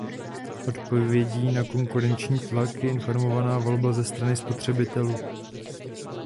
Odpovědí na konkurenční tlak je informovaná volba ze strany spotřebitelů.